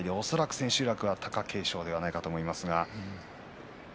千秋楽は貴景勝ではないかと思われます。